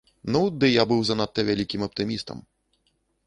Ну, ды я быў занадта вялікім аптымістам.